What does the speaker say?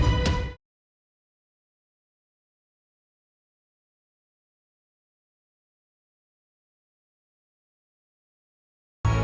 iya kita sudah mulai fred